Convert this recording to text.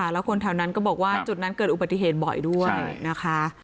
แล้วคนแถวนั้นก็บอกว่าจุดนั้นเกิดอุบัติเหตุบ่อยด้วยนะคะ